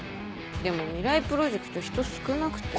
でも未来プロジェクト人少なくて。